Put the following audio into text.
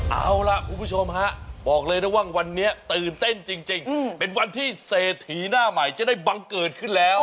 เอาล่ะคุณผู้ชมฮะบอกเลยนะว่าวันนี้ตื่นเต้นจริงเป็นวันที่เศรษฐีหน้าใหม่จะได้บังเกิดขึ้นแล้ว